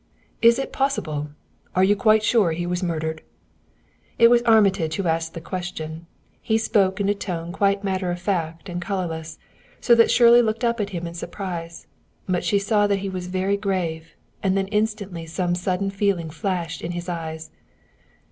"Is it possible! Are you quite sure he was murdered?" It was Armitage who asked the question. He spoke in a tone quite matter of fact and colorless, so that Shirley looked at him in surprise; but she saw that he was very grave; and then instantly some sudden feeling flashed in his eyes.